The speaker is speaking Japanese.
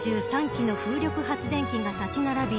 ３３基の風力発電機が立ち並び